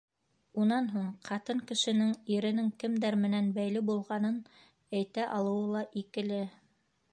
Унан һуң ҡатын кешенең иренең кемдәр менән бәйле булғанын әйтә алыуы ла икеле.